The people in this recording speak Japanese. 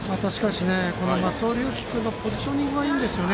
松尾龍樹のポジショニングがいいんですよね。